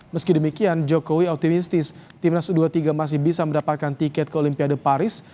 meski demikian jokowi optimistis timnas u dua puluh tiga masih bisa mendapatkan tiket ke olimpiade paris